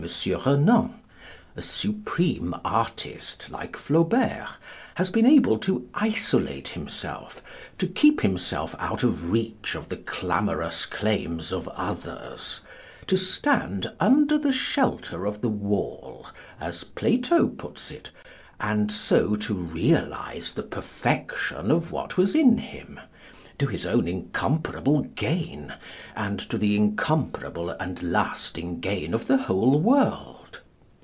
Renan; a supreme artist, like Flaubert, has been able to isolate himself, to keep himself out of reach of the clamorous claims of others, to stand 'under the shelter of the wall,' as Plato puts it, and so to realise the perfection of what was in him, to his own incomparable gain, and to the incomparable and lasting gain of the whole world.